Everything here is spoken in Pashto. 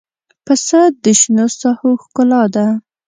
پسه د شنو ساحو ښکلا ده.